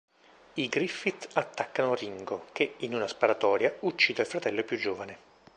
I Griffith attaccano Ringo che, in una sparatoria, uccide il fratello più giovane.